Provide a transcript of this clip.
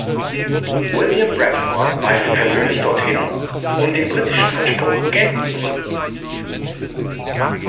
William Bradford reiste persönlich dorthin, um den britischen Anspruch geltend zu machen.